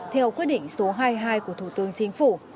theo quyết định số hai mươi hai của thủ tướng chính phủ